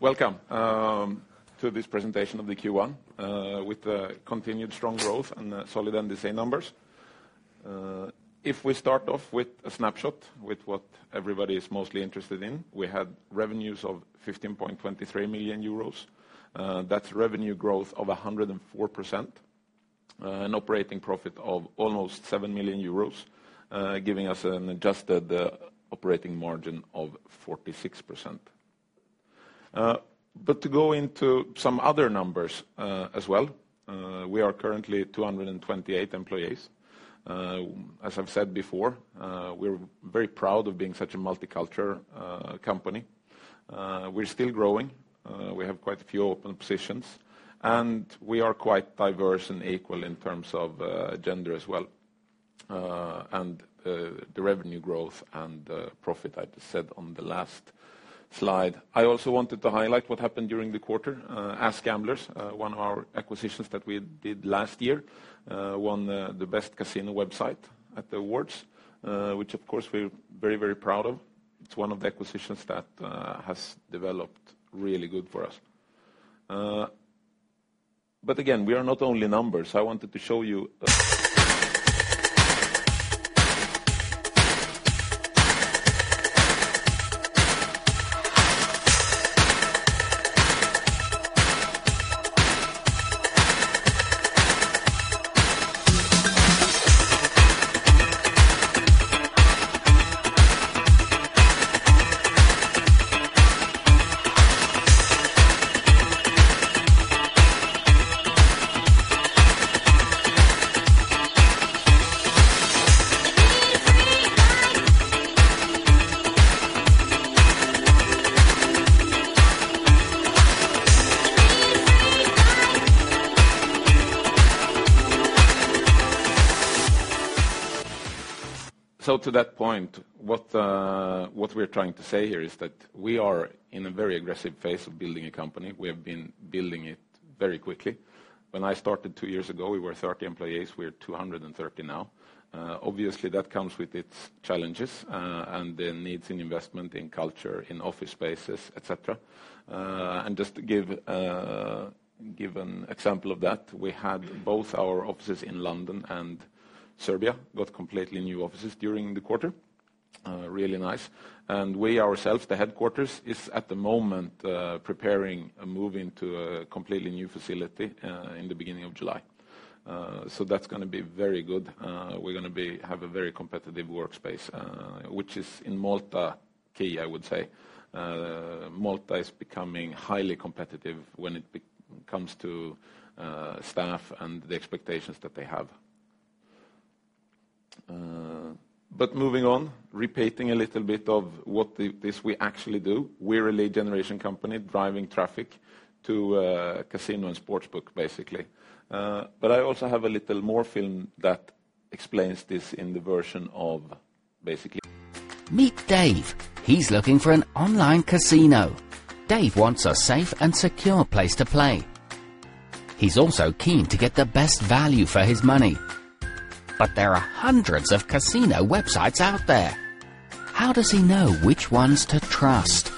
Welcome to this presentation of the Q1, with the continued strong growth and solid NDC numbers. If we start off with a snapshot with what everybody is mostly interested in, we had revenues of 15.23 million euros. That's revenue growth of 104%, an operating profit of almost 7 million euros, giving us an adjusted operating margin of 46%. To go into some other numbers as well, we are currently 228 employees. As I've said before, we're very proud of being such a multicultural company. We're still growing. We have quite a few open positions, and we are quite diverse and equal in terms of gender as well. The revenue growth and profit, I just said on the last slide. I also wanted to highlight what happened during the quarter. AskGamblers, one of our acquisitions that we did last year, won the best casino website at the awards, which of course we're very proud of. It's one of the acquisitions that has developed really good for us. Again, we are not only numbers. To that point, what we're trying to say here is that we are in a very aggressive phase of building a company. We have been building it very quickly. When I started two years ago, we were 30 employees. We are 230 now. Obviously, that comes with its challenges, and the needs in investment in culture, in office spaces, et cetera. Just to give an example of that, we had both our offices in London and Serbia, got completely new offices during the quarter. Really nice. We ourselves, the headquarters, is at the moment preparing a move into a completely new facility in the beginning of July. That's going to be very good. We're going to have a very competitive workspace, which is, in Malta, key, I would say. Malta is becoming highly competitive when it comes to staff and the expectations that they have. Moving on, repeating a little bit of what it is we actually do. We're a lead generation company driving traffic to casino and sportsbook, basically. I also have a little more film that explains this in the version of. Meet Dave. He's looking for an online casino. Dave wants a safe and secure place to play. He's also keen to get the best value for his money. There are hundreds of casino websites out there. How does he know which ones to trust?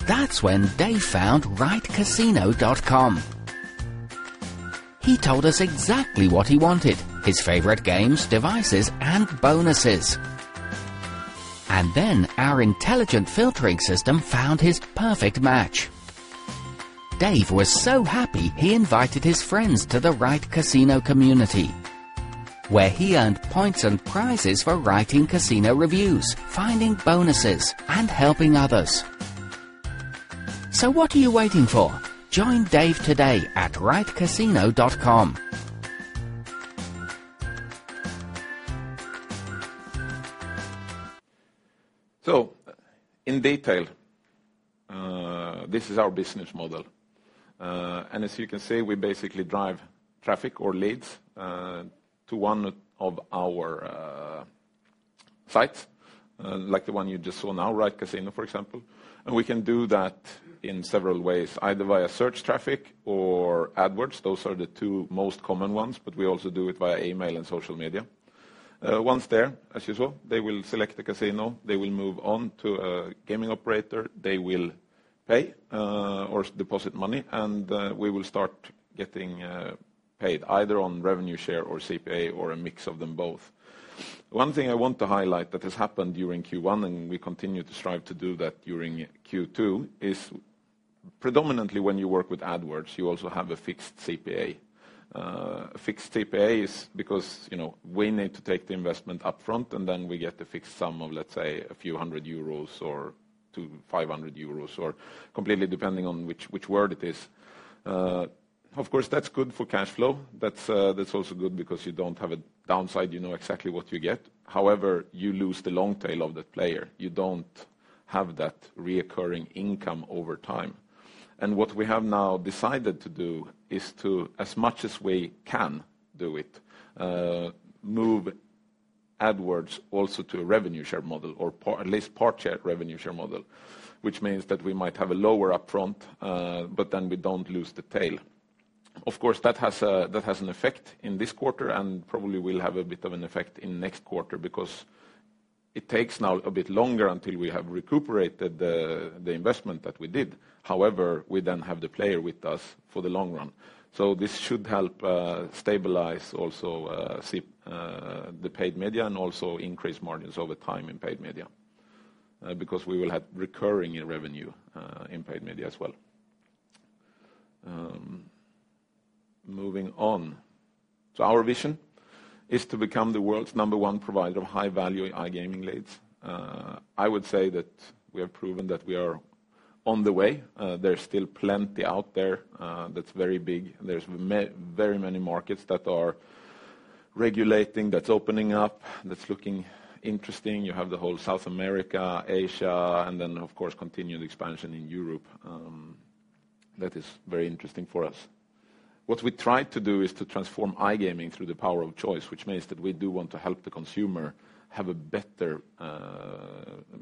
That's when Dave found rightcasino.com. He told us exactly what he wanted, his favorite games, devices, and bonuses. Then our intelligent filtering system found his perfect match. Dave was so happy, he invited his friends to the RightCasino community, where he earned points and prizes for writing casino reviews, finding bonuses, and helping others. What are you waiting for? Join Dave today at rightcasino.com. In detail, this is our business model. As you can see, we basically drive traffic or leads to one of our sites, like the one you just saw now, RightCasino, for example. We can do that in several ways, either via search traffic or AdWords. Those are the two most common ones, but we also do it via email and social media. Once there, as usual, they will select the casino. They will move on to a gaming operator. They will pay or deposit money, and we will start getting paid, either on revenue share or CPA, or a mix of them both. One thing I want to highlight that has happened during Q1, and we continue to strive to do that during Q2, is predominantly when you work with AdWords, you also have a fixed CPA. Fixed CPA is because we need to take the investment upfront, then we get a fixed sum of, let's say, a few hundred EUR or to 500 euros, completely depending on which word it is. Of course, that's good for cash flow. That's also good because you don't have a downside. You know exactly what you get. However, you lose the long tail of that player. You don't have that reoccurring income over time. What we have now decided to do is to, as much as we can do it, move AdWords also to a revenue share model, or at least part share revenue share model, which means that we might have a lower upfront, then we don't lose the tail. Of course, that has an effect in this quarter and probably will have a bit of an effect in next quarter because it takes now a bit longer until we have recuperated the investment that we did. However, we then have the player with us for the long run. This should help stabilize also the paid media and also increase margins over time in paid media, because we will have recurring revenue in paid media as well. Moving on. Our vision is to become the world's number one provider of high-value iGaming leads. I would say that we have proven that we are on the way. There's still plenty out there that's very big. There's very many markets that are regulating, that's opening up, that's looking interesting. You have the whole South America, Asia, and then, of course, continued expansion in Europe. That is very interesting for us. What we try to do is to transform iGaming through the power of choice, which means that we do want to help the consumer,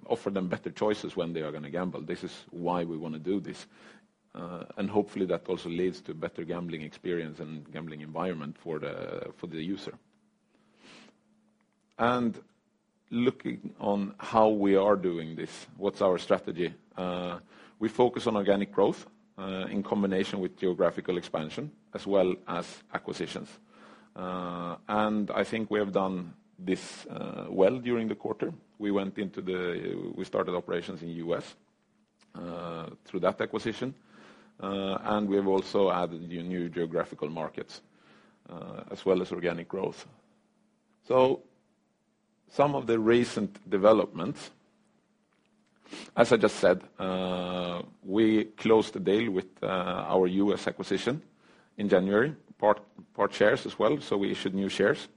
offer them better choices when they are going to gamble. This is why we want to do this. Hopefully, that also leads to better gambling experience and gambling environment for the user. Looking on how we are doing this, what's our strategy? We focus on organic growth in combination with geographical expansion as well as acquisitions. I think we have done this well during the quarter. We started operations in U.S. through that acquisition. We have also added new geographical markets, as well as organic growth. Some of the recent developments, as I just said, we closed the deal with our U.S. acquisition in January, part shares as well, we issued new shares.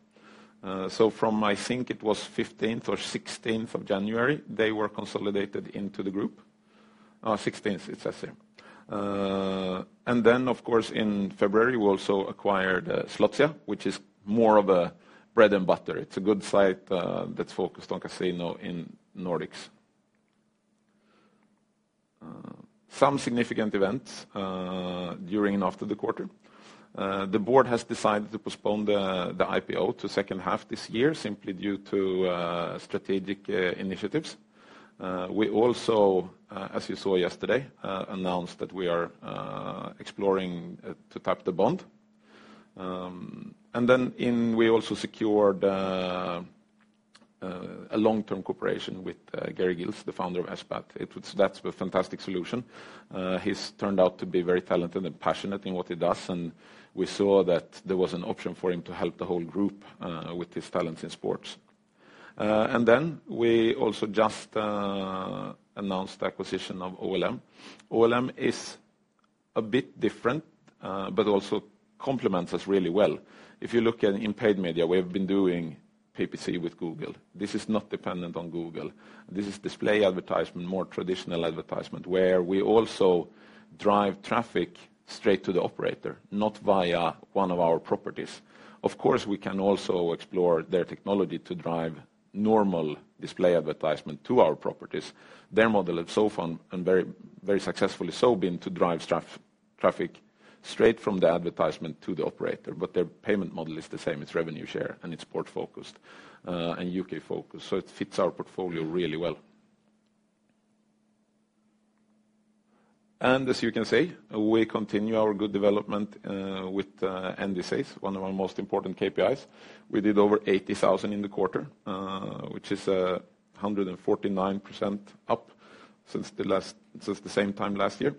From, I think it was 15th or 16th of January, they were consolidated into the group. 16th, it says here. In February, we also acquired Slotsia, which is more of a bread and butter. It is a good site that is focused on casino in Nordics. Some significant events during and after the quarter. The board has decided to postpone the IPO to second half this year simply due to strategic initiatives. We also, as you saw yesterday, announced that we are exploring to tap the bond. We also secured a long-term cooperation with Gary Gillis, the founder of SBAT. That is a fantastic solution. He has turned out to be very talented and passionate in what he does, and we saw that there was an option for him to help the whole group with his talents in sports. We also just announced the acquisition of OLM. OLM is a bit different, but also complements us really well. If you look in paid media, we have been doing PPC with Google. This is not dependent on Google. This is display advertisement, more traditional advertisement, where we also drive traffic straight to the operator, not via one of our properties. Of course, we can also explore their technology to drive normal display advertisement to our properties. Their model so far and very successfully so been to drive traffic straight from the advertisement to the operator. Their payment model is the same, it is revenue share, and it is sport focused, and U.K. focused. It fits our portfolio really well. As you can see, we continue our good development with NDC, one of our most important KPIs. We did over 80,000 in the quarter, which is 149% up since the same time last year.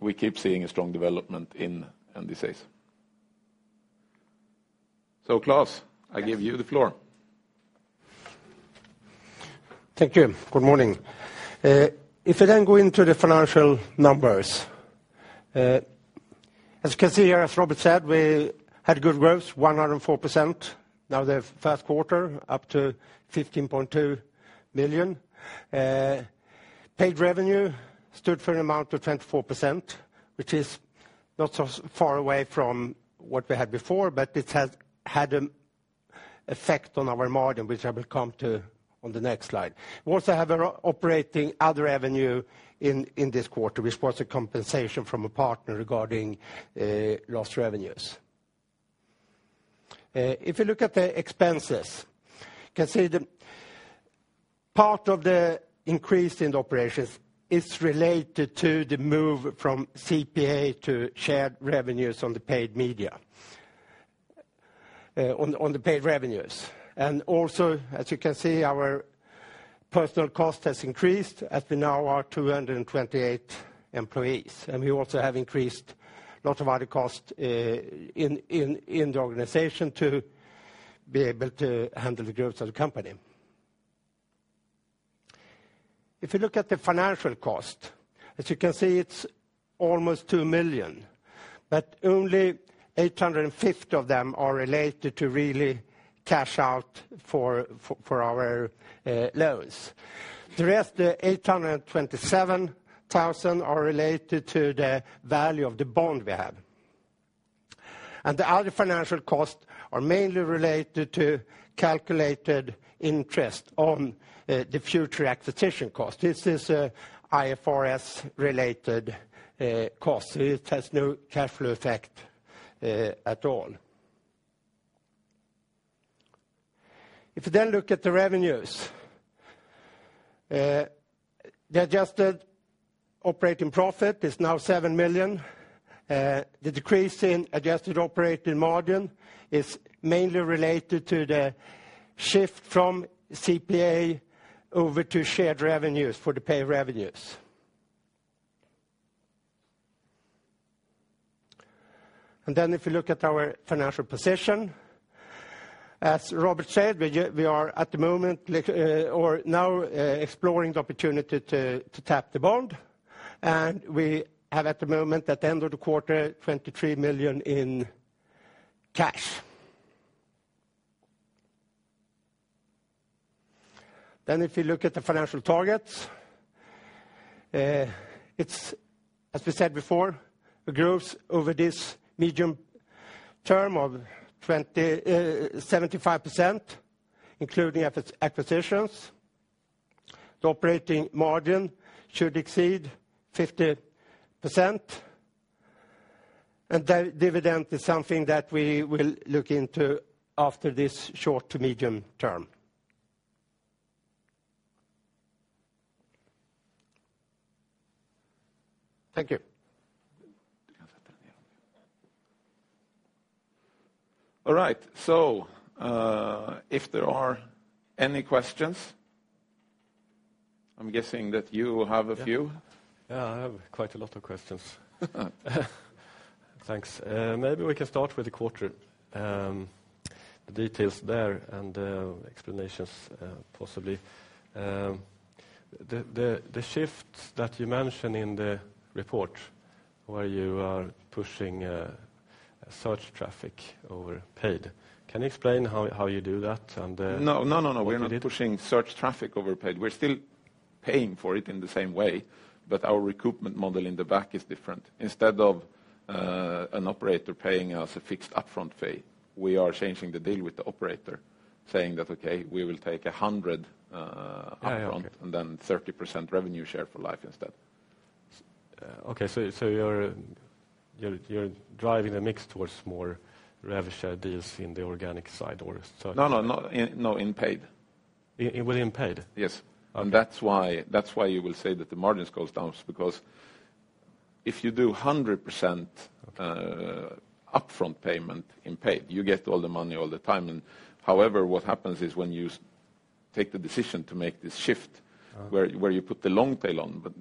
We keep seeing a strong development in NDC. Claes, I give you the floor. Thank you. Good morning. I then go into the financial numbers, as you can see here, as Robert said, we had good growth, 104% now the first quarter up to 15.2 million. Paid revenue stood for an amount of 24%, which is not so far away from what we had before, but it has had an effect on our margin, which I will come to on the next slide. We also have operating other revenue in this quarter, which was a compensation from a partner regarding lost revenues. If you look at the expenses, you can see part of the increase in the operations is related to the move from CPA to shared revenues on the paid media, on the paid revenues. Also, as you can see, our personal cost has increased as we now are 228 employees. We also have increased a lot of other cost in the organization to be able to handle the growth of the company. If you look at the financial cost, as you can see, it's almost 2 million, but only 850 of them are related to really cash out for our loans. The rest, 827,000, are related to the value of the bond we have. The other financial costs are mainly related to calculated interest on the future acquisition cost. This is IFRS-related costs. It has no cash flow effect at all. If you look at the revenues, the adjusted operating profit is now 7 million. The decrease in adjusted operating margin is mainly related to the shift from CPA over to shared revenues for the paid revenues. If you look at our financial position, as Robert said, we are now exploring the opportunity to tap the bond. We have, at the moment, at the end of the quarter, 23 million in cash. If you look at the financial targets, it's as we said before, a growth over this medium term of 75%, including acquisitions. The operating margin should exceed 50%, and dividend is something that we will look into after this short to medium term. Thank you. All right. If there are any questions, I'm guessing that you have a few. I have quite a lot of questions. Thanks. Maybe we can start with the quarter, the details there, and explanations, possibly. The shifts that you mention in the report, where you are pushing search traffic over paid. Can you explain how you do that. We're not pushing search traffic over paid. We're still paying for it in the same way, but our recoupment model in the back is different. Instead of an operator paying us a fixed upfront fee, we are changing the deal with the operator saying that, "Okay, we will take 100 upfront, and then 30% revenue share for life instead. You're driving the mix towards more revenue share deals in the organic side or is that? In paid. Within paid? Yes. Okay. That's why you will say that the margins goes down is because if you do 100% upfront payment in paid, you get all the money all the time. However, what happens is when you take the decision to make this shift where you put the long tail on, but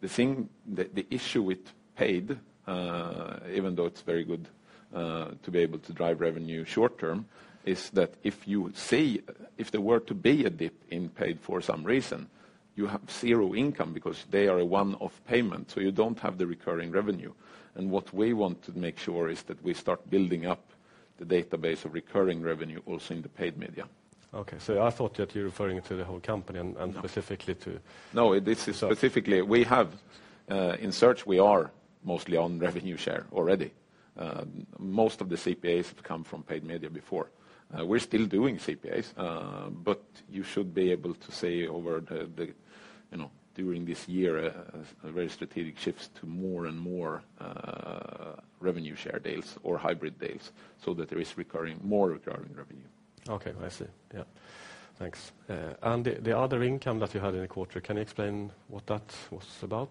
the issue with paid, even though it's very good to be able to drive revenue short term, is that if there were to be a dip in paid for some reason, you have zero income because they are a one-off payment, so you don't have the recurring revenue. What we want to make sure is that we start building up the database of recurring revenue also in the paid media. Okay. I thought that you're referring to the whole company and specifically to. No, this is specifically we have, in search, we are mostly on revenue share already. Most of the CPAs have come from paid media before. We're still doing CPAs, but you should be able to see during this year, very strategic shifts to more and more revenue share deals or hybrid deals so that there is more recurring revenue. Okay. I see. Yeah. Thanks. The other income that you had in the quarter, can you explain what that was about?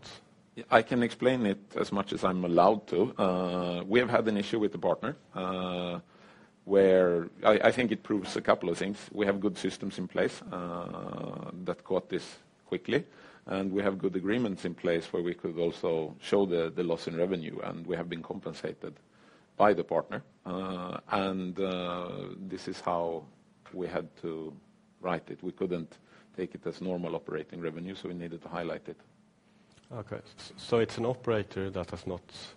I can explain it as much as I'm allowed to. We have had an issue with a partner. I think it proves a couple of things. We have good systems in place that caught this quickly, and we have good agreements in place where we could also show the loss in revenue, and we have been compensated by the partner. This is how we had to write it. We couldn't take it as normal operating revenue, so we needed to highlight it. Okay. It's an operator that has not-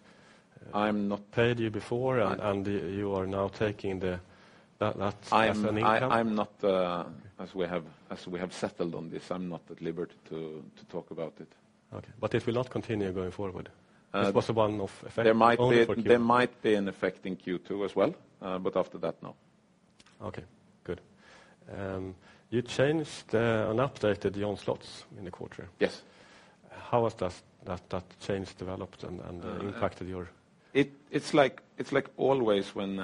I'm not- paid you before, and you are now taking that as an income. As we have settled on this, I'm not at liberty to talk about it. Okay. It will not continue going forward. This was a one-off effect. There might be an effect in Q2 as well. After that, no. Okay, good. You changed and updated your own slots in the quarter. Yes. How has that change developed and impacted your- It's like always when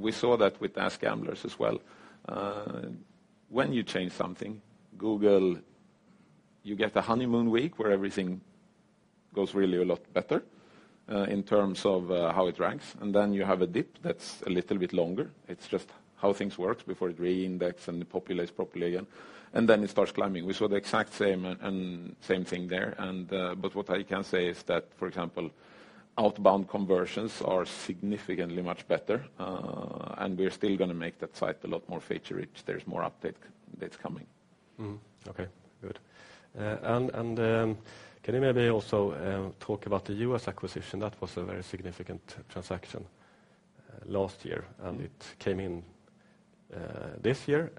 we saw that with AskGamblers as well. When you change something, Google, you get a honeymoon week where everything goes really a lot better in terms of how it ranks, and then you have a dip that's a little bit longer. It's just how things work before it re-indexes and populates properly again, and then it starts climbing. We saw the exact same thing there. What I can say is that, for example, outbound conversions are significantly much better, and we're still going to make that site a lot more feature-rich. There's more update that's coming. Okay, good. Can you maybe also talk about the U.S. acquisition? That was a very significant transaction last year, and it came in this year,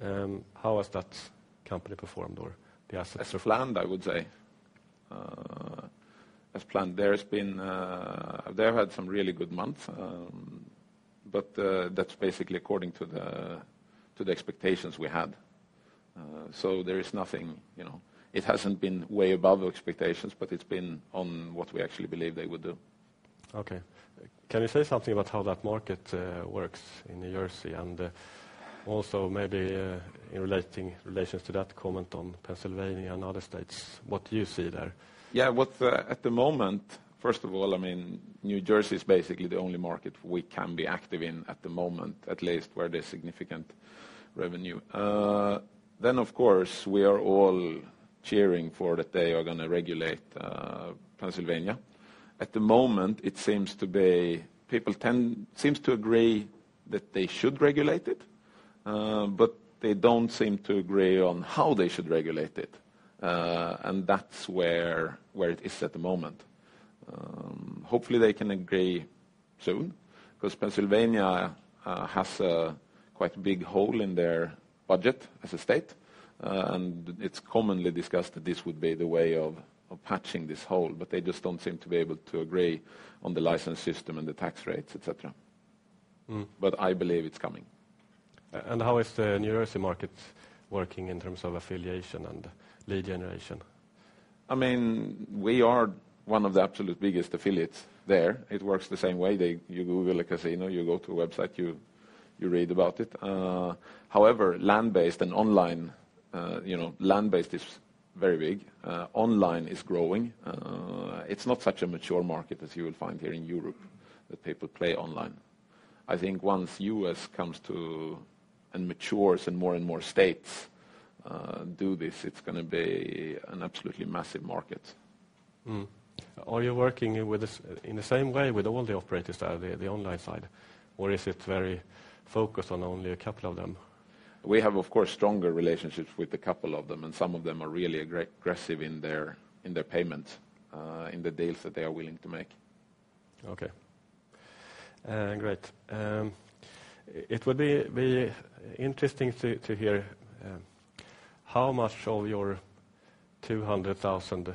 how has that company performed, or the assets? As planned, I would say. As planned. They've had some really good months, but that's basically according to the expectations we had. There is nothing. It hasn't been way above expectations, but it's been on what we actually believe they would do. Okay. Can you say something about how that market works in New Jersey, and also maybe in relations to that, comment on Pennsylvania and other states, what do you see there? Yeah. At the moment, first of all, New Jersey is basically the only market we can be active in at the moment, at least where there's significant revenue. Of course, we are all cheering for that they are going to regulate Pennsylvania. At the moment, it seems to be people seem to agree that they should regulate it, but they don't seem to agree on how they should regulate it. That's where it is at the moment. Hopefully, they can agree soon, because Pennsylvania has a quite big hole in their budget as a state. It's commonly discussed that this would be the way of patching this hole, but they just don't seem to be able to agree on the license system and the tax rates, et cetera. I believe it's coming. How is the New Jersey market working in terms of affiliation and lead generation? We are one of the absolute biggest affiliates there. It works the same way. You Google a casino, you go to a website, you read about it. However, land-based and online, land-based is very big. Online is growing. It's not such a mature market as you would find here in Europe that people play online. I think once the U.S. comes to and matures, and more and more states do this, it's going to be an absolutely massive market. Are you working in the same way with all the operators there on the online side? Is it very focused on only a couple of them? We have, of course, stronger relationships with a couple of them, and some of them are really aggressive in their payments, in the deals that they are willing to make. Okay. Great. It would be interesting to hear how much of your 200,000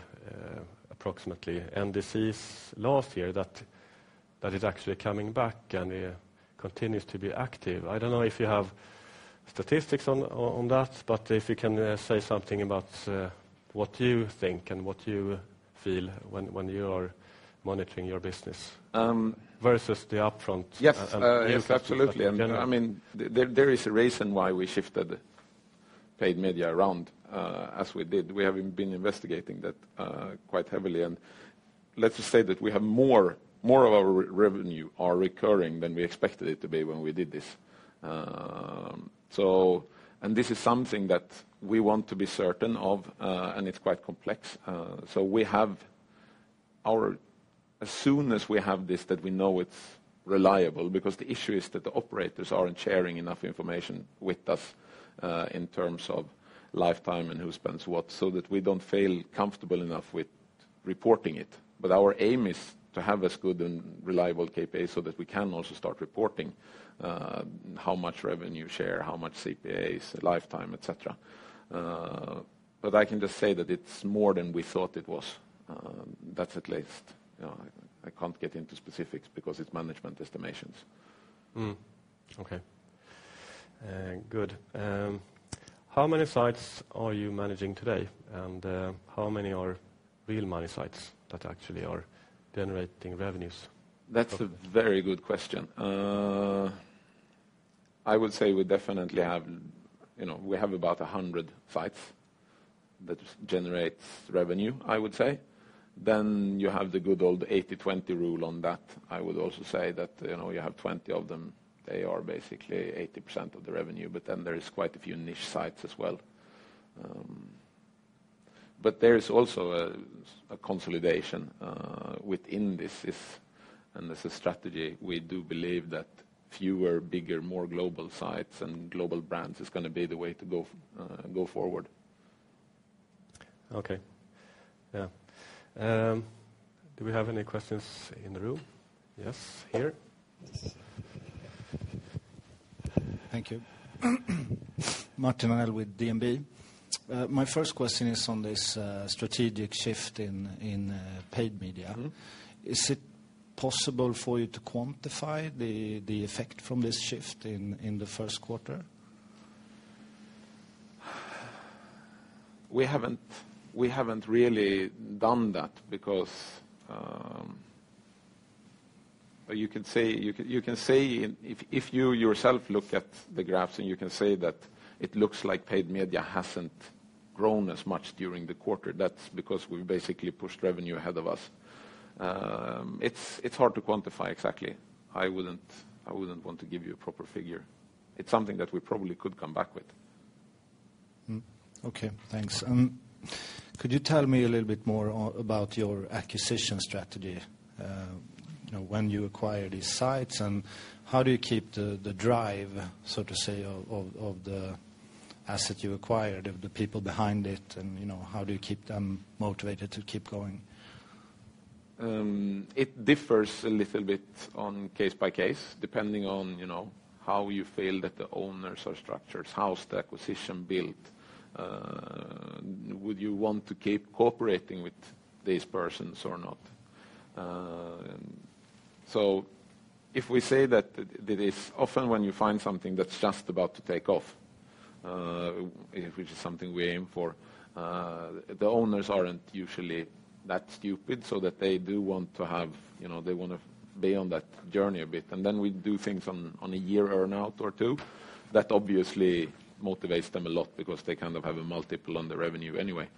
approximately NDCs last year that is actually coming back and continues to be active. I don't know if you have statistics on that, but if you can say something about what you think and what you feel when you are monitoring your business. Yes, absolutely payment. There is a reason why we shifted paid media around as we did. We have been investigating that quite heavily. Let's just say that we have more of our revenue recurring than we expected it to be when we did this. This is something that we want to be certain of, and it's quite complex. As soon as we have this, that we know it's reliable, because the issue is that the operators aren't sharing enough information with us in terms of lifetime and who spends what, so that we don't feel comfortable enough with reporting it. Our aim is to have as good and reliable KPIs so that we can also start reporting how much revenue share, how much CPAs, lifetime, et cetera. I can just say that it's more than we thought it was. That's at least. I can't get into specifics because it's management estimations. Okay. Good. How many sites are you managing today, and how many are real money sites that actually are generating revenues? That's a very good question. I would say we definitely have about 100 sites that generate revenue, I would say. You have the good old 80/20 rule on that. I would also say that you have 20 of them. They are basically 80% of the revenue, but then there is quite a few niche sites as well. There is also a consolidation within this, and as a strategy, we do believe that fewer, bigger, more global sites and global brands is going to be the way to go forward. Okay. Yeah. Do we have any questions in the room? Yes. Here. Thank you. Martin Arnell with DNB. My first question is on this strategic shift in paid media. Is it possible for you to quantify the effect from this shift in the first quarter? We haven't really done that because if you yourself look at the graphs, you can say that it looks like paid media hasn't grown as much during the quarter. That's because we basically pushed revenue ahead of us. It's hard to quantify exactly. I wouldn't want to give you a proper figure. It's something that we probably could come back with. Okay, thanks. Could you tell me a little bit more about your acquisition strategy? When you acquire these sites, how do you keep the drive, so to say, of the asset you acquired, of the people behind it, how do you keep them motivated to keep going? It differs a little bit on case by case, depending on how you feel that the owners are structured, how is the acquisition built, would you want to keep cooperating with these persons or not? If we say that it is often when you find something that's just about to take off, which is something we aim for, the owners aren't usually that stupid, so that they do want to be on that journey a bit. Then we do things on a year earn-out or two. That obviously motivates them a lot because they have a multiple on the revenue anyway.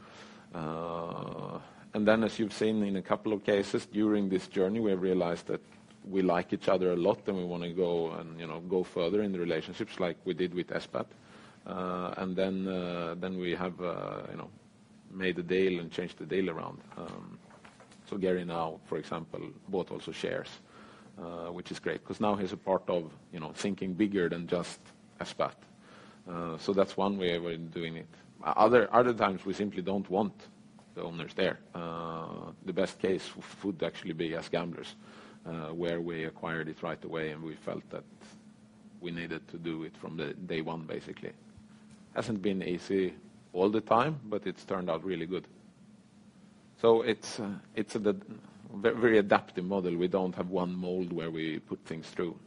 Then, as you've seen in a couple of cases during this journey, we realized that we like each other a lot and we want to go further in the relationships like we did with SBAT. We have made a deal and changed the deal around. Gary now, for example, bought also shares, which is great, because now he's a part of thinking bigger than just SBAT. That's one way of doing it. Other times, we simply don't want the owners there. The best case would actually be AskGamblers, where we acquired it right away, and we felt that we needed to do it from the day one, basically. Hasn't been easy all the time, but it's turned out really good. It's a very adaptive model. We don't have one mold where we put things through.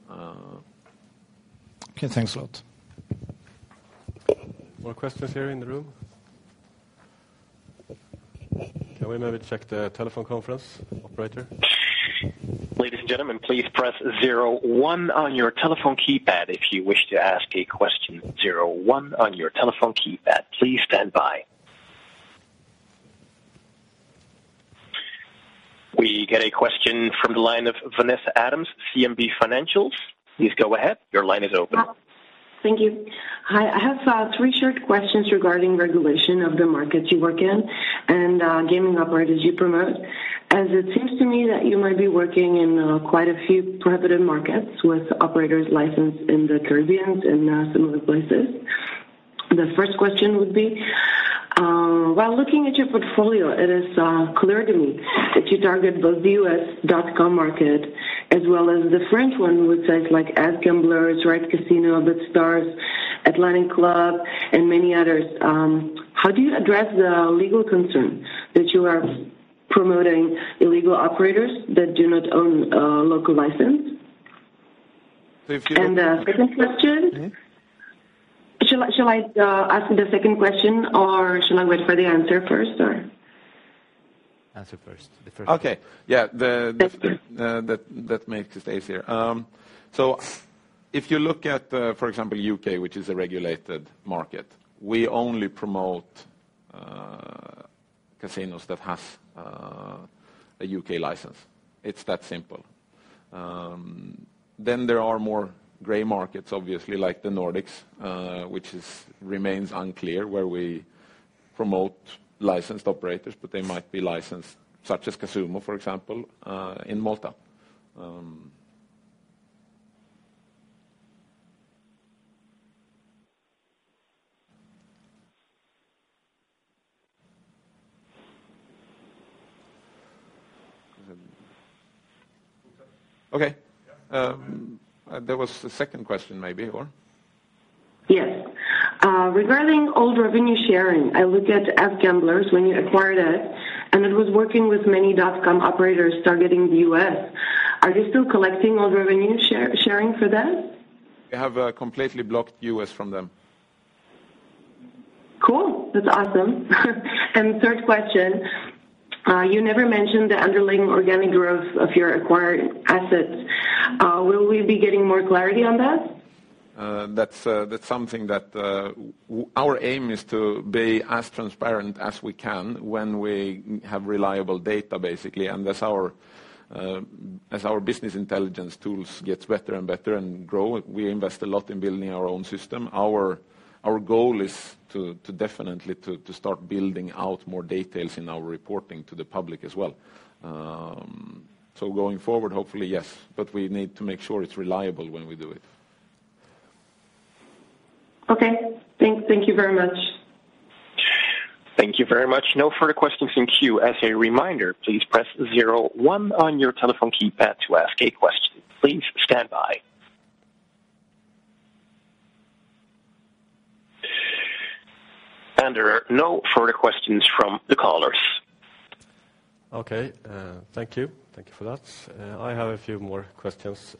Okay, thanks a lot. More questions here in the room? Can we maybe check the telephone conference, operator? Ladies and gentlemen, please press 01 on your telephone keypad if you wish to ask a question. 01 on your telephone keypad. Please stand by. We get a question from the line of Vanessa Adams, CMB Financials. Please go ahead. Your line is open. Thank you. Hi. I have three short questions regarding regulation of the markets you work in and gaming operators you promote. As it seems to me that you might be working in quite a few prohibited markets with operators licensed in the Caribbean and similar places. The first question would be, while looking at your portfolio, it is clear to me that you target both U.S. dot-com market as well as the French one with sites like AskGamblers, RightCasino, BitStarz, Atlantic Club, and many others. How do you address the legal concern that you are promoting illegal operators that do not own a local license? if you look- The second question. Shall I ask the second question or shall I wait for the answer first? Answer first, the first. Okay. Yeah. That's good. That makes it easier. If you look at, for example, U.K., which is a regulated market, we only promote casinos that have a U.K. license. It's that simple. There are more gray markets, obviously, like the Nordics, which remains unclear where we promote licensed operators, but they might be licensed, such as Casumo, for example, in Malta. Okay. There was a second question maybe. Yes. Regarding old revenue sharing, I looked at AskGamblers when you acquired it, and it was working with many dot-com operators targeting the U.S. Are you still collecting old revenue sharing for them? We have completely blocked U.S. from them. Cool. That's awesome. Third question, you never mentioned the underlying organic growth of your acquired assets. Will we be getting more clarity on that? That's something that our aim is to be as transparent as we can when we have reliable data, basically. As our business intelligence tools gets better and better and grow, we invest a lot in building our own system. Our goal is definitely to start building out more details in our reporting to the public as well. Going forward, hopefully, yes. We need to make sure it's reliable when we do it. Okay. Thanks. Thank you very much. Thank you very much. No further questions in queue. As a reminder, please press 01 on your telephone keypad to ask a question. Please stand by. There are no further questions from the callers. Okay. Thank you. Thank you for that. I have a few more questions.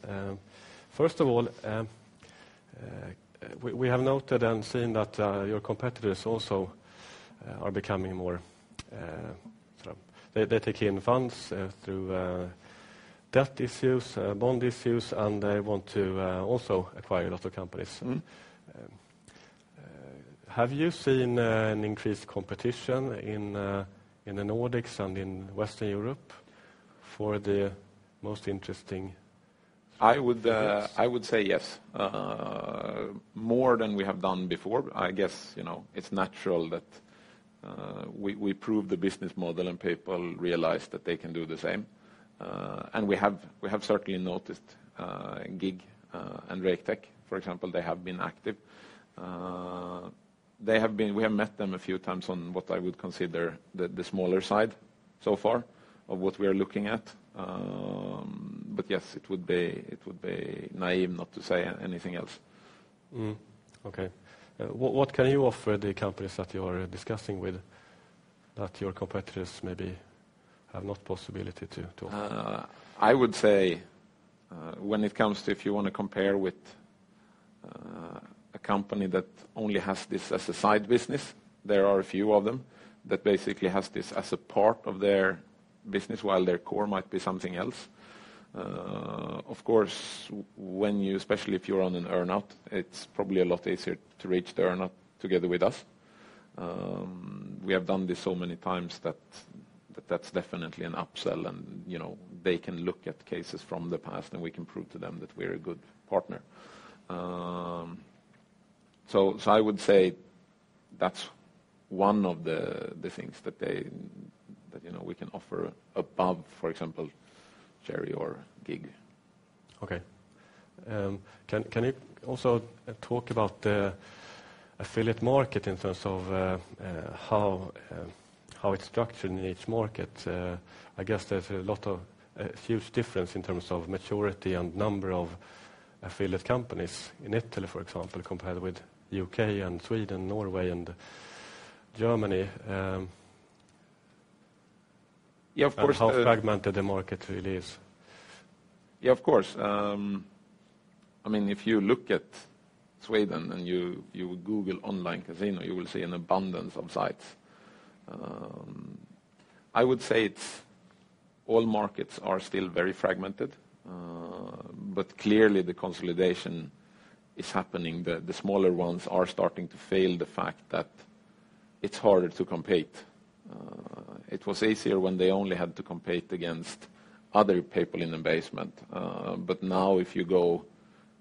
First of all, we have noted and seen that your competitors also are becoming more, they're taking in funds through debt issues, bond issues, they want to also acquire a lot of companies. Have you seen an increased competition in the Nordics and in Western Europe for the most interesting? I would say yes. More than we have done before. I guess it's natural that we prove the business model and people realize that they can do the same. We have certainly noticed GiG and Raketech, for example. They have been active. We have met them a few times on what I would consider the smaller side so far of what we are looking at. Yes, it would be naive not to say anything else. Okay. What can you offer the companies that you are discussing with that your competitors maybe have not possibility to offer? I would say when it comes to, if you want to compare with a company that only has this as a side business, there are a few of them that basically has this as a part of their business while their core might be something else. Of course, especially if you're on an earn-out, it's probably a lot easier to reach the earn-out together with us. We have done this so many times that's definitely an upsell and they can look at cases from the past and we can prove to them that we're a good partner. I would say that's one of the things that we can offer above, for example, Cherry or GiG. Okay. Can you also talk about the affiliate market in terms of how it's structured in each market? I guess there's a huge difference in terms of maturity and number of affiliate companies in Italy, for example, compared with U.K. and Sweden, Norway and Germany. Yeah, of course. How fragmented the market really is. Yeah, of course. If you look at Sweden and you Google online casino, you will see an abundance of sites. I would say all markets are still very fragmented. Clearly the consolidation is happening. The smaller ones are starting to feel the fact that it's harder to compete. It was easier when they only had to compete against other people in the basement. Now if you go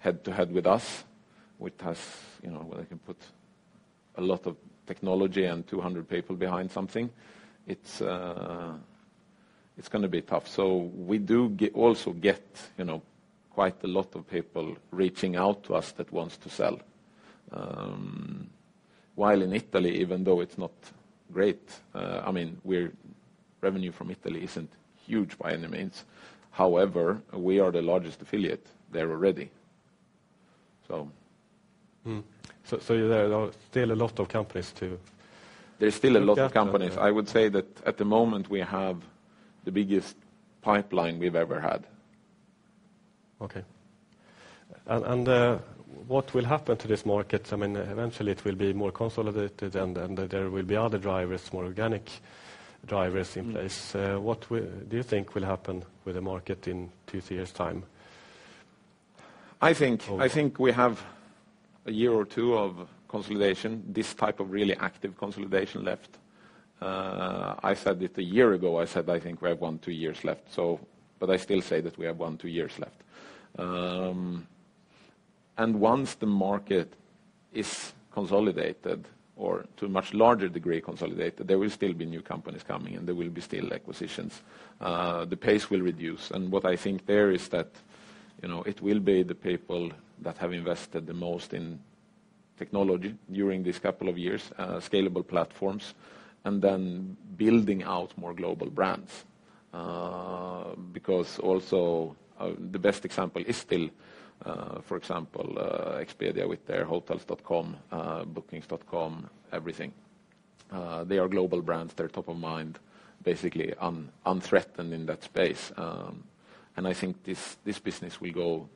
head-to-head with us, they can put a lot of technology and 200 people behind something. It's going to be tough. We do also get quite a lot of people reaching out to us that wants to sell. While in Italy, even though it's not great, revenue from Italy isn't huge by any means. However, we are the largest affiliate there already. There are still a lot of companies. There's still a lot of companies. I would say that at the moment we have the biggest pipeline we've ever had. Okay. What will happen to this market? Eventually it will be more consolidated and there will be other drivers, more organic drivers in place. What do you think will happen with the market in two, three years' time? I think we have a year or two of consolidation, this type of really active consolidation left. I said it a year ago, I said, I think we have one, two years left. I still say that we have one, two years left. Once the market is consolidated or to a much larger degree consolidated, there will still be new companies coming and there will be still acquisitions. The pace will reduce. What I think there is that it will be the people that have invested the most in technology during these couple of years, scalable platforms, then building out more global brands. Because also the best example is still, for example, Expedia with their Hotels.com, Booking.com, everything. They are global brands. They're top of mind, basically unthreatened in that space. I think this business will go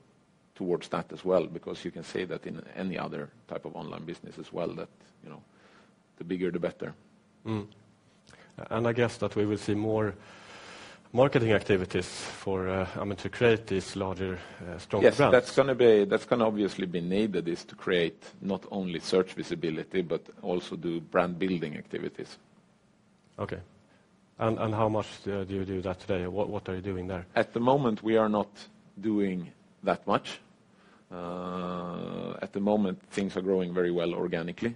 towards that as well because you can say that in any other type of online business as well, that the bigger the better. I guess that we will see more marketing activities to create these larger, stronger brands. Yes, that's going to obviously be needed, is to create not only search visibility, but also do brand-building activities. Okay. How much do you do that today? What are you doing there? At the moment, we are not doing that much. At the moment, things are growing very well organically.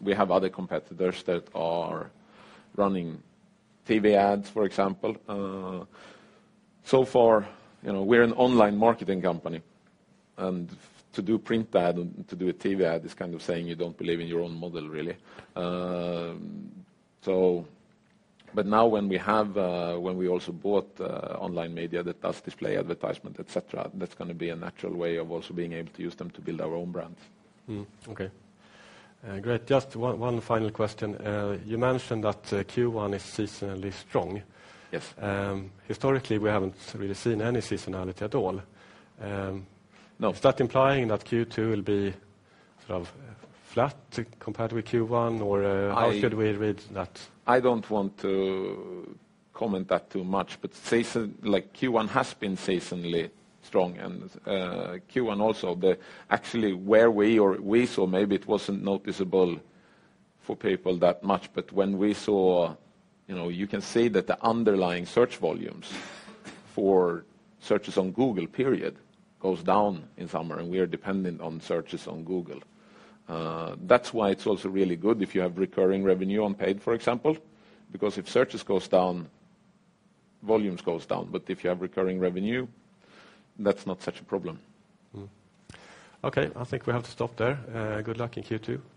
We have other competitors that are running TV ads, for example. Far, we're an online marketing company, and to do print ad and to do a TV ad is kind of saying you don't believe in your own model, really. Now when we also bought Online Media that does display advertisement, et cetera, that's going to be a natural way of also being able to use them to build our own brands. Okay. Great. Just one final question. You mentioned that Q1 is seasonally strong. Yes. Historically, we haven't really seen any seasonality at all. No. Is that implying that Q2 will be sort of flat compared with Q1, or how should we read that? I don't want to comment that too much, but Q1 has been seasonally strong. Q1 also, actually where we saw, maybe it wasn't noticeable for people that much, but when we saw, you can say that the underlying search volumes for searches on Google goes down in summer, and we are dependent on searches on Google. That's why it's also really good if you have recurring revenue on paid, for example, because if searches goes down, volumes goes down. If you have recurring revenue, that's not such a problem. Okay. I think we have to stop there. Good luck in Q2.